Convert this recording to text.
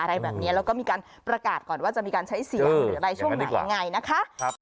อะไรแบบนี้แล้วก็มีการประกาศก่อนว่าจะมีการใช้เสียงหรืออะไรช่วงไหนยังไงนะคะ